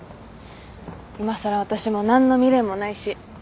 いまさら私も何の未練もないし。